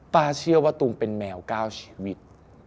ป้าเชื่อว่าตูมเป็นแมว๙ชีวิต